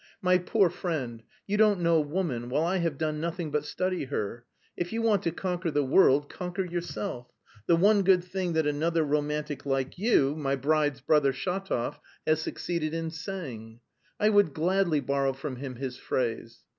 My poor friend, you don't know woman, while I have done nothing but study her. 'If you want to conquer the world, conquer yourself' the one good thing that another romantic like you, my bride's brother, Shatov, has succeeded in saying. I would gladly borrow from him his phrase.